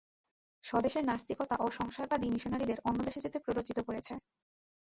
স্বদেশের নাস্তিকতা ও সংশয়বাদই মিশনারীদের অন্য দেশে যেতে প্ররোচিত করেছে।